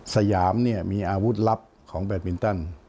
สยามมีอาวุธลับของแบทมินตัน